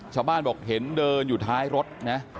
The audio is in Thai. ชาวบ้านบอกเห็นเดินอยู่ท้ายรถนะ